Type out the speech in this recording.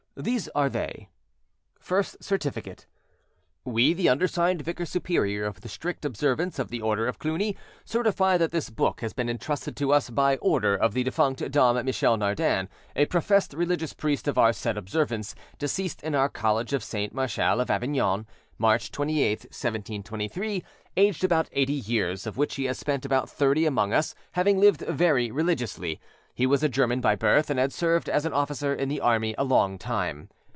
These are they: FIRST CERTIFICATE "We the undersigned Vicar Superior of the strict observance of the Order of Cluny, certify that this book has been entrusted to us by order of the defunct Dom Michel Nardin, a professed religious priest of our said observance, deceased in our college of Saint Martial of Avignon, March 28th, 1723, aged about eighty years, of which he has spent about thirty among us, having lived very religiously: he was a German by birth, and had served as an officer in the army a long time.